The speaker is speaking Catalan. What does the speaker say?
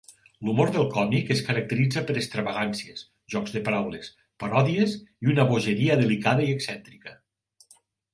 L'humor del còmic es caracteritza per extravagàncies, jocs de paraules, paròdies i una bogeria delicada i excèntrica.